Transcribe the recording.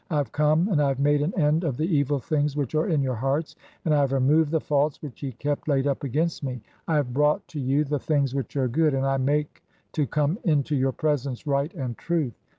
I have come, and I have made an end of "the evil things which are in your hearts, and I have removed "the faults which ye kept [laid up against me]. I have brought to "you (9) the things which are good, and I make to come into "your presence Right and Truth.